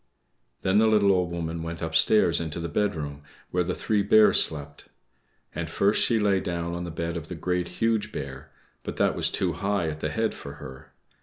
Then the little Old Woman went upstairs into the bedroom, where the three Bears slept. And first she lay down on the bed of the Great, Huge Bear, but that was too high at the head for her.